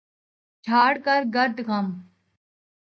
جھاڑ کر گرد غم